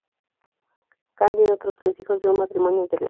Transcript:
Kahn tiene otros tres hijos de un matrimonio anterior.